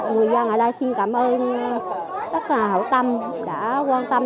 người dân ở đây xin cảm ơn tất cả hậu tâm đã quan tâm